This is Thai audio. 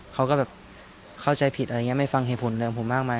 เขาก็แบบเข้าใจผิดอะไรอย่างนี้ไม่ฟังเหตุผลเรื่องของผมมากมาย